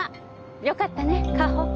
よかったね香保。